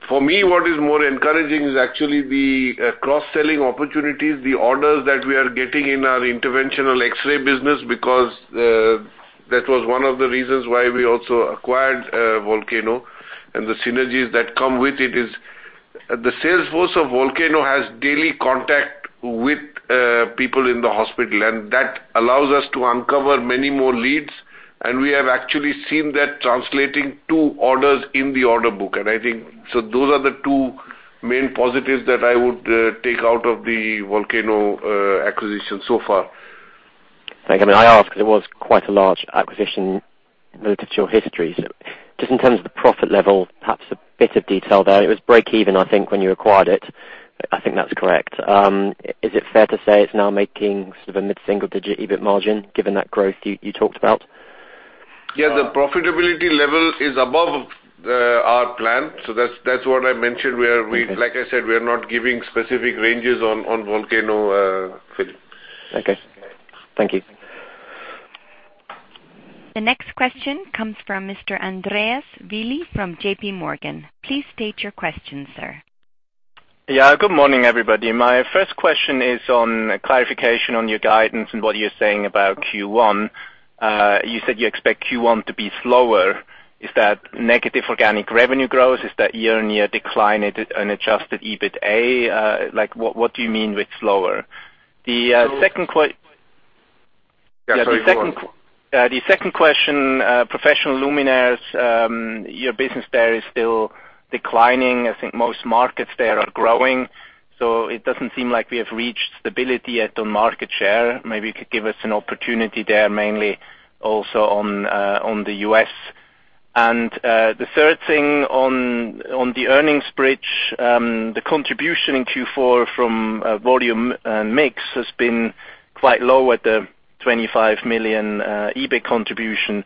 For me, what is more encouraging is actually the cross-selling opportunities, the orders that we are getting in our interventional X-ray business because, that was one of the reasons why we also acquired Volcano and the synergies that come with it is the sales force of Volcano has daily contact with people in the hospital, and that allows us to uncover many more leads. We have actually seen that translating to orders in the order book. Those are the two main positives that I would take out of the Volcano acquisition so far. Thank you. I ask it was quite a large acquisition relative to your history. Just in terms of the profit level, perhaps a bit of detail there. It was breakeven, I think, when you acquired it. I think that's correct. Is it fair to say it's now making sort of a mid-single-digit EBIT margin given that growth you talked about? The profitability level is above our plan. Okay like I said, we're not giving specific ranges on Volcano, Philip. Okay. Thank you. The next question comes from Mr. Andreas Willi from JPMorgan. Please state your question, sir. Good morning, everybody. My first question is on clarification on your guidance and what you're saying about Q1. You said you expect Q1 to be slower. Is that negative organic revenue growth? Is that year-on-year decline in adjusted EBITA? What do you mean with slower? Yeah, sorry, go on. The second question, Professional Luminaires, your business there is still declining. I think most markets there are growing, so it doesn't seem like we have reached stability yet on market share. Maybe you could give us an opportunity there mainly also on the U.S. The third thing on the earnings bridge, the contribution in Q4 from volume mix has been quite low at the 25 million EBIT contribution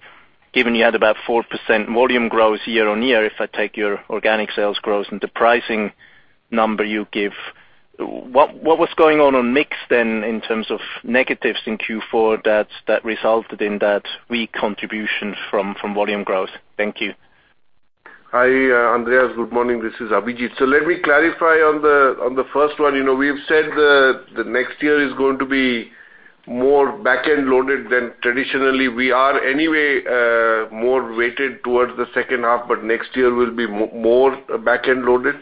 given you had about 4% volume growth year-on-year, if I take your organic sales growth and the pricing number you give. What was going on mix then in terms of negatives in Q4 that resulted in that weak contribution from volume growth? Thank you. Hi, Andreas. Good morning. This is Abhijit. Let me clarify on the first one. We've said the next year is going to be more back-end loaded than traditionally. We are anyway more weighted towards the second half, but next year will be more back-end loaded.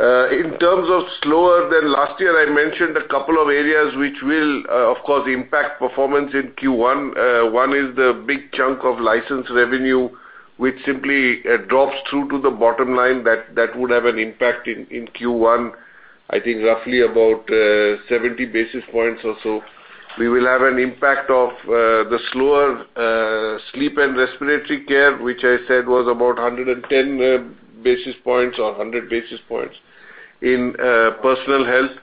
In terms of slower than last year, I mentioned a couple of areas which will, of course, impact performance in Q1. One is the big chunk of license revenue, which simply drops through to the bottom line that would have an impact in Q1, I think roughly about 70 basis points or so. We will have an impact of the slower Sleep and Respiratory Care, which I said was about 110 basis points or 100 basis points in Personal Health.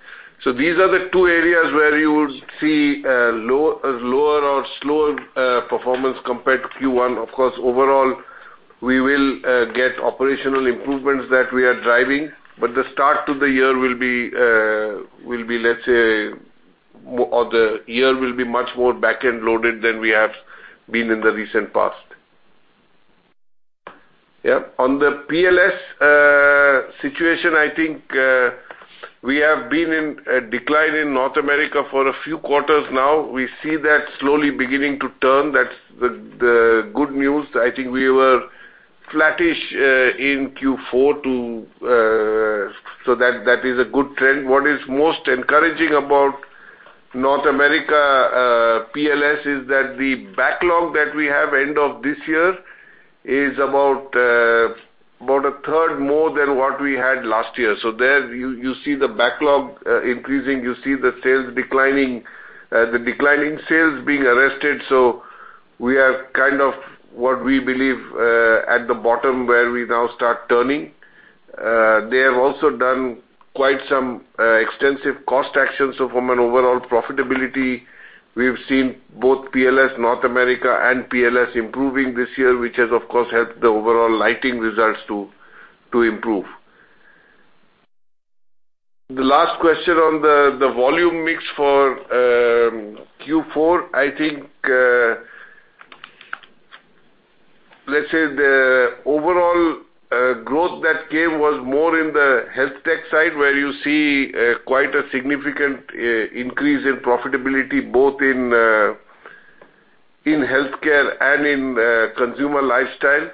These are the two areas where you would see lower or slower performance compared to Q1. Of course, overall, we will get operational improvements that we are driving, but the start to the year will be, let's say, or the year will be much more back-end loaded than we have been in the recent past. On the PLS situation, I think, we have been in a decline in North America for a few quarters now. We see that slowly beginning to turn. That's the good news. I think we were flattish in Q4, that is a good trend. What is most encouraging about North America PLS is that the backlog that we have end of this year is about a third more than what we had last year. There you see the backlog increasing. You see the declining sales being arrested. We are what we believe at the bottom where we now start turning. They have also done quite some extensive cost actions from an overall profitability. We've seen both PLS North America and PLS improving this year, which has, of course, helped the overall lighting results to improve. The last question on the volume mix for Q4, I think, let's say the overall growth that came was more in the Health Tech side, where you see quite a significant increase in profitability both in Healthcare and in Consumer Lifestyle.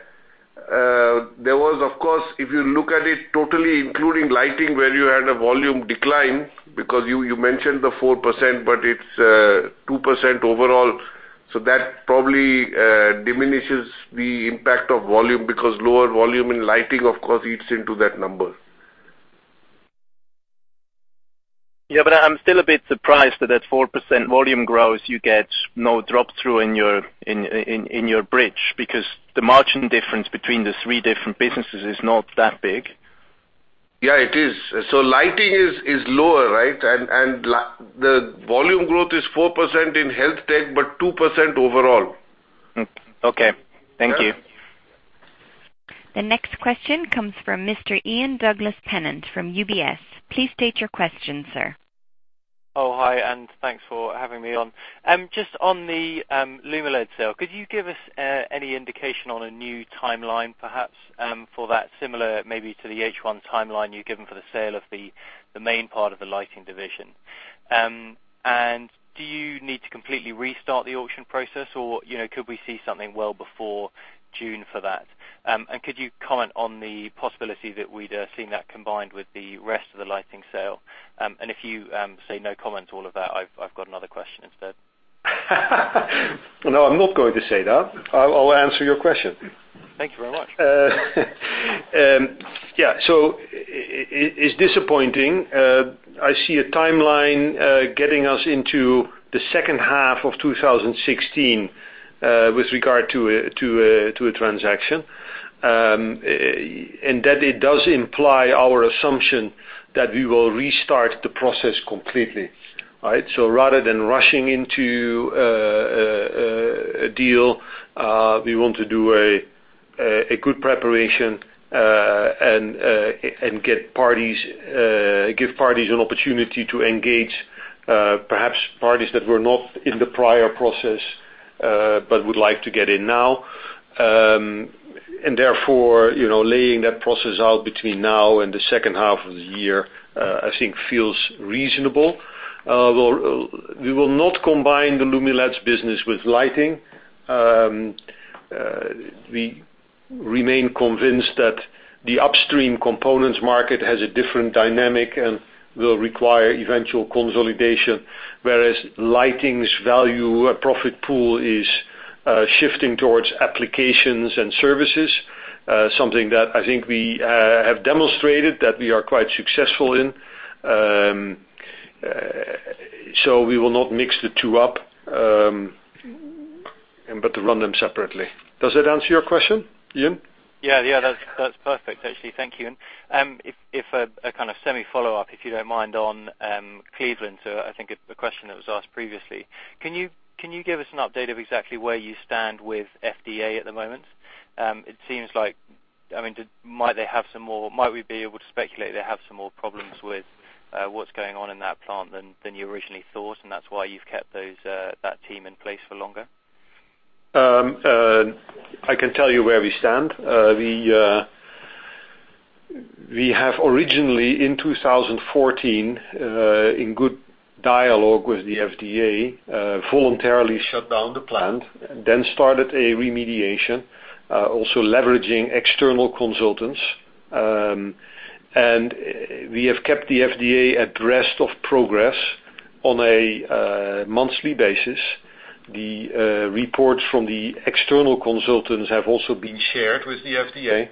There was, of course, if you look at it totally including lighting, where you had a volume decline because you mentioned the 4%, but it is 2% overall. That probably diminishes the impact of volume because lower volume in lighting, of course, eats into that number. I am still a bit surprised that at 4% volume growth, you get no drop through in your bridge, because the margin difference between the three different businesses is not that big. It is. Lighting is lower, right? The volume growth is 4% in Health Tech, but 2% overall. Thank you. The next question comes from Mr. Ian Douglas-Pennant from UBS. Please state your question, sir. Hi, and thanks for having me on. Just on the Lumileds sale, could you give us any indication on a new timeline, perhaps, for that similar maybe to the H1 timeline you've given for the sale of the main part of the lighting division? Do you need to completely restart the auction process or could we see something well before June for that? Could you comment on the possibility that we'd seen that combined with the rest of the lighting sale? If you say no comment to all of that, I've got another question instead. No, I'm not going to say that. I'll answer your question. Thank you very much. Yeah. It's disappointing. I see a timeline getting us into the second half of 2016 with regard to a transaction. That it does imply our assumption that we will restart the process completely. Rather than rushing into a deal, we want to do a good preparation, and give parties an opportunity to engage, perhaps parties that were not in the prior process, but would like to get in now. Therefore, laying that process out between now and the second half of the year, I think feels reasonable. We will not combine the Lumileds business with lighting. We remain convinced that the upstream components market has a different dynamic and will require eventual consolidation, whereas lighting's value profit pool is shifting towards applications and services. Something that I think we have demonstrated that we are quite successful in. We will not mix the two up, but to run them separately. Does that answer your question, Ian? Yeah. That's perfect, actually. Thank you. If a kind of semi follow-up, if you don't mind, on Cleveland, I think a question that was asked previously. Can you give us an update of exactly where you stand with FDA at the moment? It seems like, might we be able to speculate they have some more problems with what's going on in that plant than you originally thought, and that's why you've kept that team in place for longer? I can tell you where we stand. We have originally, in 2014, in good dialogue with the FDA, voluntarily shut down the plant, then started a remediation, also leveraging external consultants. We have kept the FDA abreast of progress on a monthly basis. The reports from the external consultants have also been shared with the FDA.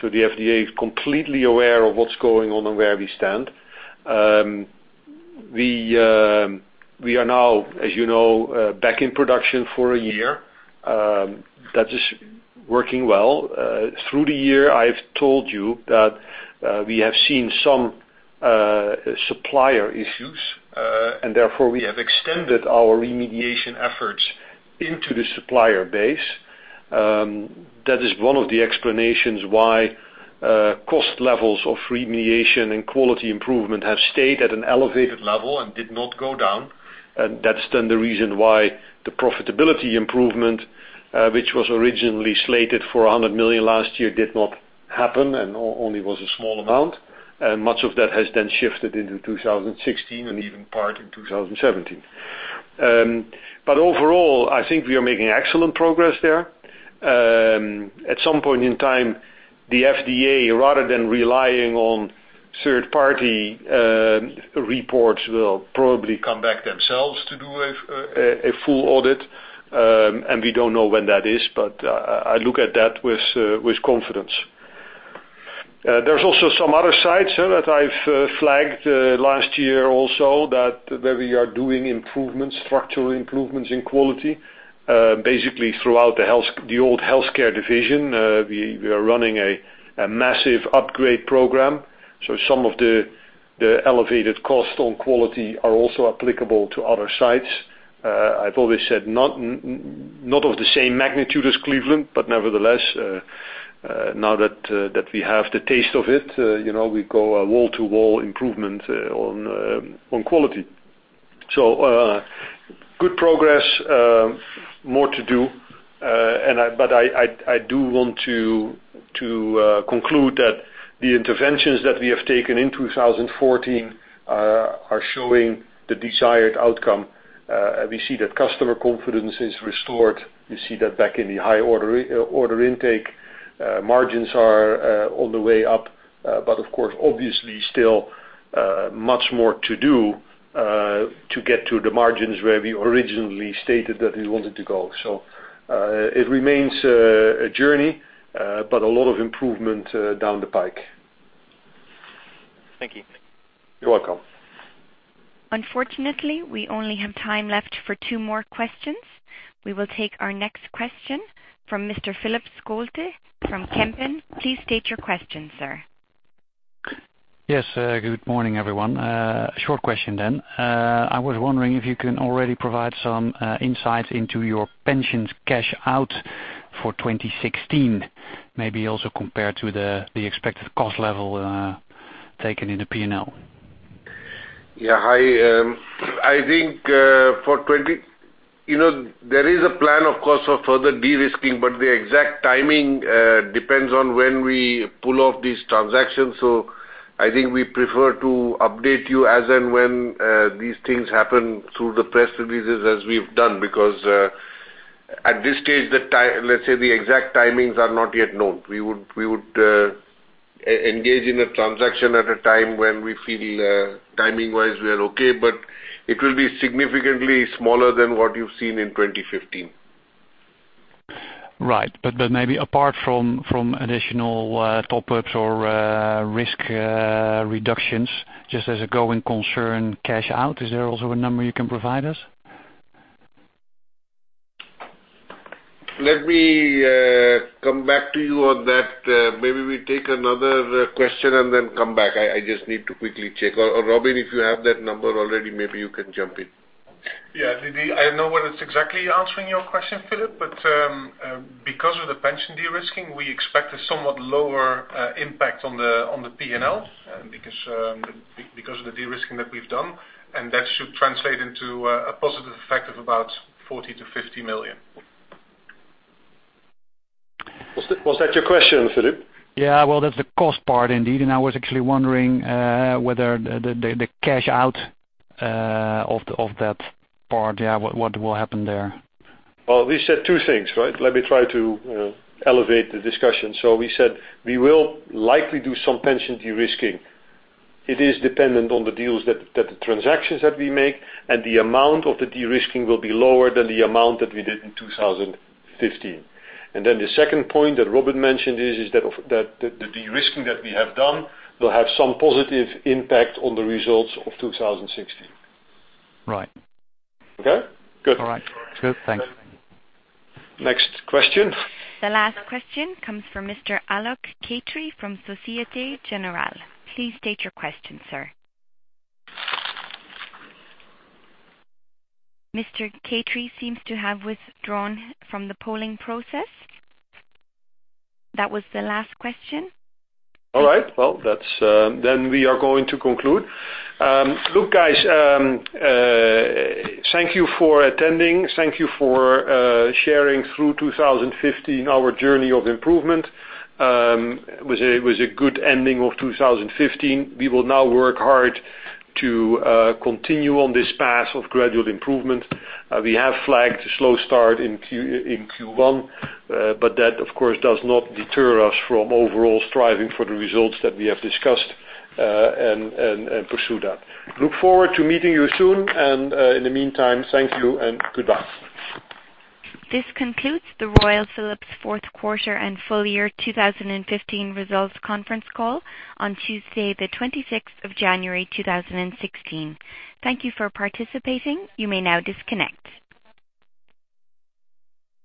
The FDA is completely aware of what's going on and where we stand. We are now, as you know, back in production for a year. That is working well. Through the year, I've told you that we have seen some supplier issues, therefore, we have extended our remediation efforts into the supplier base. That is one of the explanations why cost levels of remediation and quality improvement have stayed at an elevated level and did not go down. That's the reason why the profitability improvement, which was originally slated for 100 million last year, did not happen and only was a small amount. Much of that has shifted into 2016 and even part in 2017. Overall, I think we are making excellent progress there. At some point in time the FDA, rather than relying on third party reports, will probably come back themselves to do a full audit. We don't know when that is, but I look at that with confidence. There's also some other sites that I've flagged last year also where we are doing structural improvements in quality. Basically, throughout the old healthcare division, we are running a massive upgrade program. Some of the elevated cost on quality are also applicable to other sites. I've always said not of the same magnitude as Cleveland, nevertheless, now that we have the taste of it, we go wall to wall improvement on quality. Good progress. More to do, but I do want to conclude that the interventions that we have taken in 2014 are showing the desired outcome. We see that customer confidence is restored. We see that back in the high order intake. Margins are on the way up. Of course, obviously still much more to do, to get to the margins where we originally stated that we wanted to go. It remains a journey. A lot of improvement down the pike. Thank you. You're welcome. Unfortunately, we only have time left for two more questions. We will take our next question from Mr. Philip Scholte from Kempen. Please state your question, sir. Yes. Good morning, everyone. Short question then. I was wondering if you can already provide some insights into your pensions cash out for 2016, maybe also compared to the expected cost level taken in the P&L. Yeah. There is a plan, of course, of further de-risking, the exact timing depends on when we pull off these transactions. I think we prefer to update you as and when these things happen through the press releases as we've done, because at this stage, let's say the exact timings are not yet known. We would engage in a transaction at a time when we feel timing-wise we are okay, but it will be significantly smaller than what you've seen in 2015. Right. Maybe apart from additional top-ups or risk reductions, just as a going concern cash out, is there also a number you can provide us? Let me come back to you on that. Maybe we take another question and then come back. I just need to quickly check. Or Robin, if you have that number already, maybe you can jump in. Yeah. I don't know whether it's exactly answering your question, Philip, but because of the pension de-risking, we expect a somewhat lower impact on the P&L because of the de-risking that we've done, and that should translate into a positive effect of about 40 million-50 million. Was that your question, Philip? Yeah. Well, that's the cost part indeed. I was actually wondering whether the cash out of that part, what will happen there? Well, we said two things, right? Let me try to elevate the discussion. We said we will likely do some pension de-risking. It is dependent on the deals that the transactions that we make, and the amount of the de-risking will be lower than the amount that we did in 2015. The second point that Robin mentioned is that the de-risking that we have done will have some positive impact on the results of 2016. Right. Okay? Good. All right. Good. Thanks. Next question. The last question comes from Mr. Alok Katre from Société Générale. Please state your question, sir. Mr. Katre seems to have withdrawn from the polling process. That was the last question. All right. Well, we are going to conclude. Look, guys, thank you for attending. Thank you for sharing through 2015 our journey of improvement. It was a good ending of 2015. We will now work hard to continue on this path of gradual improvement. We have flagged a slow start in Q1. That, of course, does not deter us from overall striving for the results that we have discussed and pursue that. Look forward to meeting you soon. In the meantime, thank you and goodbye. This concludes the Royal Philips fourth quarter and full year 2015 results conference call on Tuesday, the 26th of January, 2016. Thank you for participating. You may now disconnect.